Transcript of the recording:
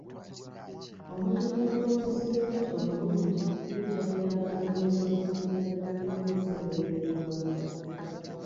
Omutindo gw'omubisi gw'enjuko omulungi gujja kuyamba abalunzi okutunda bye bafulumizza ebweru w'eggwanga.